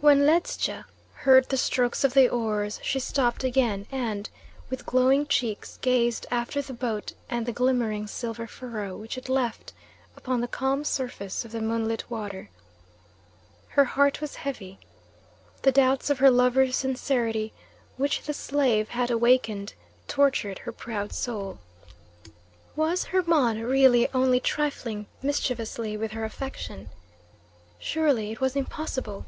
When Ledscha heard the strokes of the oars she stopped again and, with glowing cheeks, gazed after the boat and the glimmering silver furrow which it left upon the calm surface of the moonlit water. Her heart was heavy. The doubts of her lover's sincerity which the slave had awakened tortured her proud soul. Was Hermon really only trifling mischievously with her affection? Surely it was impossible.